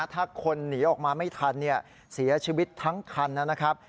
ถ้าคนหนีออกมาไม่ทันเสียชีวิตทั้งคันนะครับ